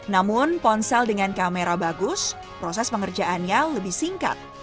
namun ponsel dengan kamera bagus proses pengerjaannya lebih singkat